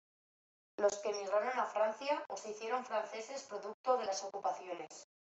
Los que migraron a Francia, o se hicieron franceses producto de las ocupaciones.